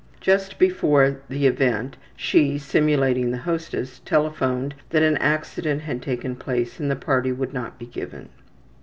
Just before the event she, simulating the hostess, telephoned that an accident had taken place and the party would not be given.